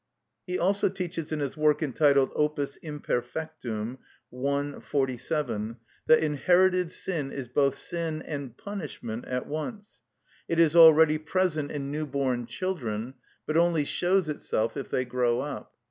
He also teaches in his work entitled "Opus Imperfectum," i. 47, that inherited sin is both sin and punishment at once. It is already present in new born children, but only shows itself if they grow up.